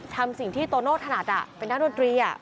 ทำสิ่งที่โตโน่ธนัดอ่ะเป็นด้านดนตรีอ่ะ